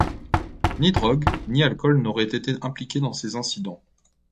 Ni drogue, ni alcool n'aurait été impliqué dans ces incidents.